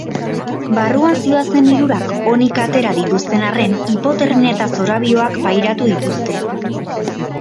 Barruan zihoazen hirurak onik atera dituzten arren, hipotermia eta zorabioak pairatu dituzte.